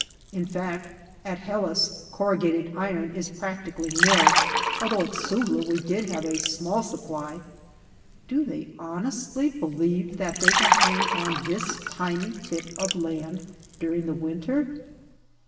In fact, at Helles corrugated iron is practically nil, although at Suvla we did have a small supply. Do they honestly believe that they can hang on this tiny tip of land during the winter